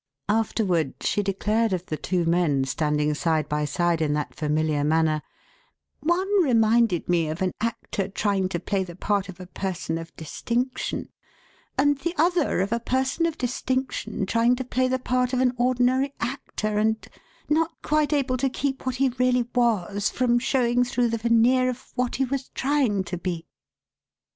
Afterward she declared of the two men standing side by side in that familiar manner: "One reminded me of an actor trying to play the part of a person of distinction, and the other of a person of distinction trying to play the part of an ordinary actor and not quite able to keep what he really was from showing through the veneer of what he was trying to be."